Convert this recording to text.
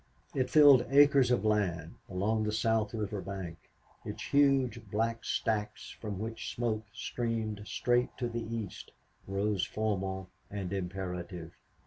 It filled acres of land along the south river bank, its huge black stacks, from which smoke streamed straight to the east, rose formal and imperative.